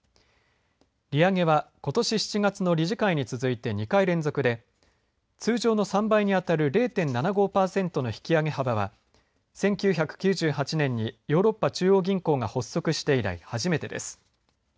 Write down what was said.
利上げは、ことし７月の理事会に続いて２回連続で通常の３倍に当たる０．７５パーセントの引き上げ幅は１９９８年にヨーロッパ中央銀行が発足して以来初めてです。